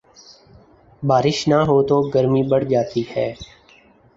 بارش نہ ہوتو گرمی بڑھ جاتی ہے۔